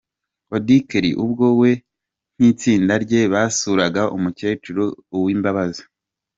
Auddy Kelly ubwo we n'itsinda rye basuraga umukecuru Uwimbabazi.